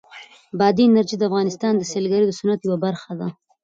بادي انرژي د افغانستان د سیلګرۍ د صنعت یوه برخه ده.